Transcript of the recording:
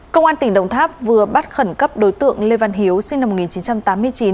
công an tỉnh đồng tháp vừa bắt khẩn cấp đối tượng lê văn hiếu sinh năm một nghìn chín trăm tám mươi chín